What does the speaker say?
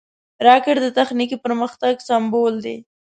راکټ د تخنیکي پرمختګ سمبول دی